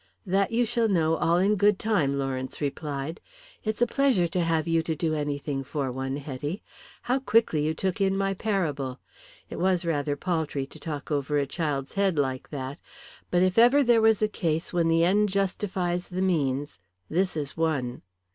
"That you shall know all in good time," Lawrence replied. "It's a pleasure to have you to do anything for one, Hetty. How quickly you took in my parable. It was rather paltry to talk over a child's head like that, but if ever there was a case when the end justifies the means this is one.